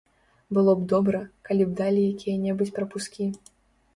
Было б добра, калі б далі якія-небудзь прапускі.